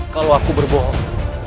kalau aku berbohong